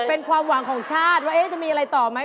เป็นความหวังของชาติว่าจะมีอะไรต่อไหม